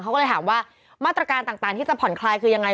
เขาก็เลยถามว่ามาตรการต่างที่จะผ่อนคลายคือยังไง